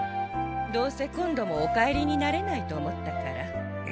どうせ今度もお帰りになれないと思ったから。